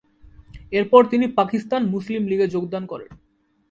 এরপর তিনি পাকিস্তান মুসলিম লীগে যোগদান করেন।